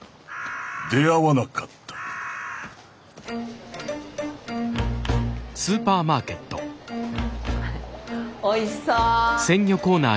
出会わなかったおいしそう。